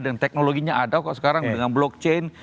dan teknologinya ada kok sekarang dengan blockchain